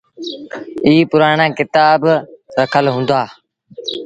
ائيٚݩ پُرآڻآ ڪتآب با رکل هُݩدآ۔